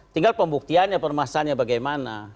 tinggal pembuktiannya permasanya bagaimana